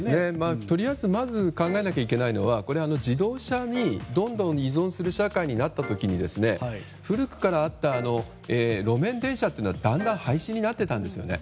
とりあえずまず考えなくてはいけないのは自動車にどんどん依存する社会になった時に古くからあった路面電車はだんだん廃止になったんですね。